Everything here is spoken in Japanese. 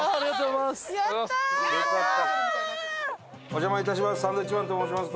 お邪魔いたします。